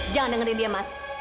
jangan dengerin dia mas